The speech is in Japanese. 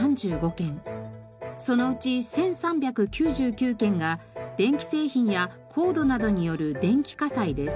そのうち１３９９件が電気製品やコードなどによる電気火災です。